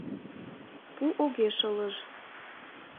Пу огеш ылыж.